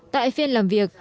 tại phiên làm việc